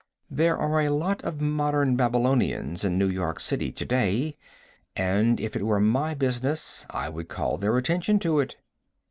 There are lots of modern Babylonians in New York City to day, and if it were my business I would call their attention to it.